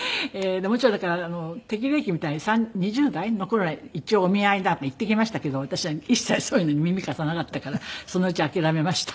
もちろんだから適齢期みたいな２０代の頃には一応お見合いだの言ってきましたけど私は一切そういうのに耳貸さなかったからそのうち諦めました。